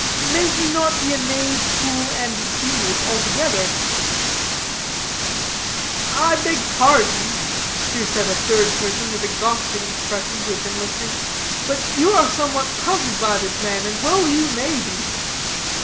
"May he not be knave, fool, and genius altogether?" "I beg pardon," here said a third person with a gossiping expression who had been listening, "but you are somewhat puzzled by this man, and well you may be."